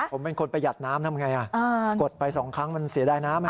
ผมเป็นคนประหยัดน้ำทำไงกดไปสองครั้งมันเสียดายน้ำ